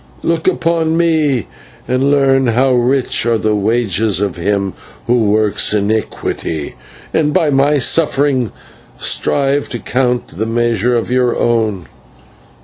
Look upon me, and learn how rich are the wages of him who works iniquity, and by my sufferings strive to count the measure of your own.